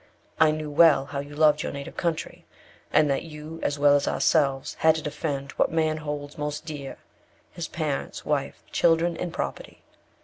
I knew well how you loved your native country, and that you, as well as ourselves, had to defend what man holds most dear his parents, wife, children, and property.